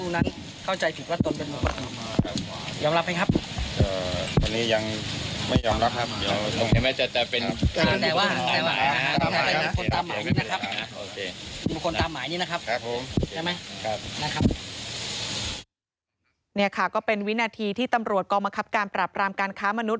นี่ค่ะก็เป็นวินาทีที่ตำรวจกองบังคับการปรับรามการค้ามนุษ